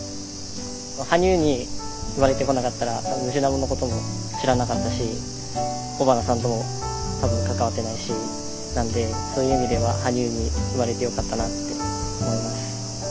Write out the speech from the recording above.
羽生に生まれてこなかったらムジナモのことも知らなかったし尾花さんとも多分関わってないしなんでそういう意味では羽生に生まれてよかったなって思います。